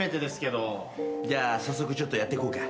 じゃあ早速ちょっとやっていこうか。